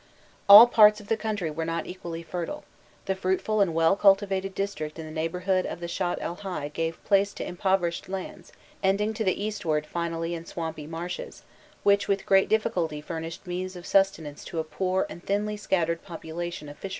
All parts of the country were not equally fertile: the fruitful and well cultivated district in the neighbourhood of the Shatt el Hai gave place to impoverished lands ending to the eastward, finally in swampy marshes, which with great difficulty furnished means of sustenance to a poor and thinly scattered population of fisher folk.